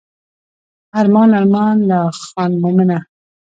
ارمان ارمان لا خان مومنه.